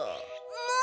もう！